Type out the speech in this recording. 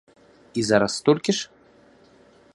І зараз столькі ж?